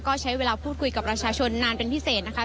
ก็ใช้เวลาพูดคุยกับประชาชนนานเป็นพิเศษนะคะ